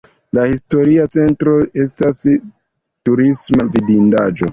La historia centro estas turisma vidindaĵo.